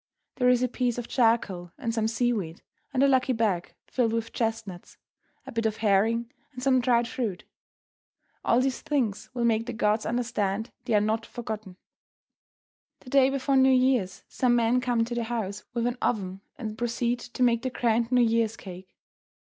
There is a piece of charcoal and some seaweed, and a "lucky bag" filled with chestnuts, a bit of herring and some dried fruit. All these things will make the gods understand they are not forgotten. The day before New Year's some men come to the house with an oven and proceed to make the grand New Year's cake.